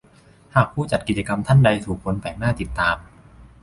หากผู้จัดกิจกรรมท่านใดถูกคนแปลกหน้าติดตาม